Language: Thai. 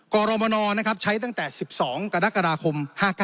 กรมนใช้ตั้งแต่๑๒กรกฎาคม๕๙